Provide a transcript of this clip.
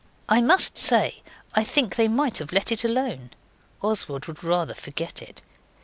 I must say I think they might have let it alone. Oswald would rather forget it.